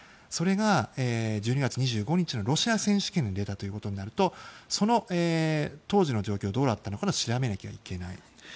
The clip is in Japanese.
それが、１２月２５日のロシア選手権で出たとなるとその当時の状況、どうだったかも調べないといけない。